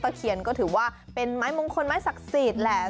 เคียนก็ถือว่าเป็นไม้มงคลไม้ศักดิ์สิทธิ์แหละ